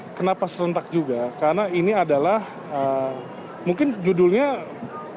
tetapi makna dari penyelenggaraan jalan sehat ini karena ini adalah mungkin judulnya terasa ringan jalan sehat